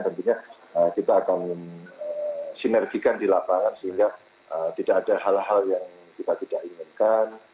tentunya kita akan sinergikan di lapangan sehingga tidak ada hal hal yang kita tidak inginkan